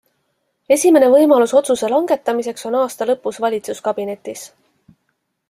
Esimene võimalus otsuse langetamiseks on aasta lõpus valitsuskabinetis.